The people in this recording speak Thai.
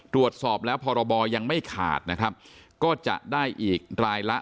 ตรวจสอบแล้วพรบยังไม่ขาดนะครับก็จะได้อีกรายละ